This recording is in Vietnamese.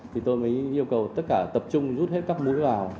thì tôi mới yêu cầu tất cả tập trung rút hết các mũi vào